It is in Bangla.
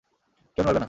কেউ নড়বে না।